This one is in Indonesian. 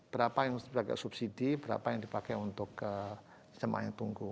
berapa yang sebagai subsidi berapa yang dipakai untuk jemaah yang tunggu